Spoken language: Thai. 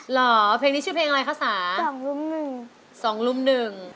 เหรอเพลงนี้ชื่อเพลงอะไรคะสาสองลุมหนึ่งสองลุมหนึ่ง